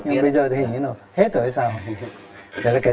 nhưng bây giờ thì hình như là hết rồi hay sao